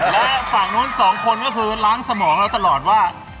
และฝั่งนู้นสองคนก็คือล้างสมองเราตลอดว่า